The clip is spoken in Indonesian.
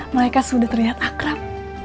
mereka sudah terlihat akrab